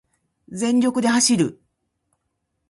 全力で走る